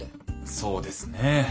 そうですね。